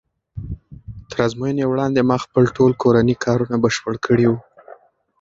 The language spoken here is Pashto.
تر ازموینې وړاندې ما خپل ټول کورني کارونه بشپړ کړي وو.